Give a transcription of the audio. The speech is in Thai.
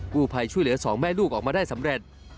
ผู้ภัยช่วยเหลือสองแม่ลูกออกมาได้สำเร็จ